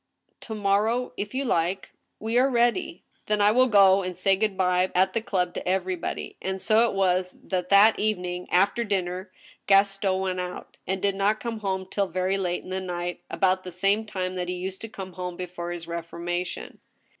"" To morrow if you like ! We are ready." " Then I will go and say good by at the club to everybody." And so it was that that evening after dinner Gaston went out, and did not come home till very late in the night, about the same time that he used to come home before his reformation.